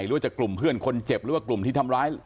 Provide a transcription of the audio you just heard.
หรือว่าจะกลุ่มเพื่อนคนเจ็บหรือว่ากลุ่มที่ทำร้าย